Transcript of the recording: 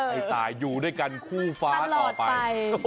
ไปสุดใจอยู่ด้วยกันคู่ฟ้าตอนต่อไป